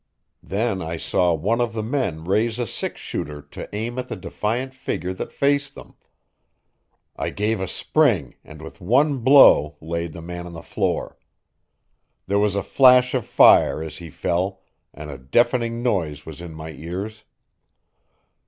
Then I saw one of the men raise a six shooter to aim at the defiant figure that faced them. I gave a spring and with one blow laid the man on the floor. There was a flash of fire as he fell, and a deafening noise was in my ears.